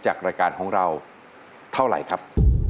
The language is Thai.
จากรายการของเราเท่าไหร่ครับ